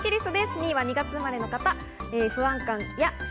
２位は２月生まれの方。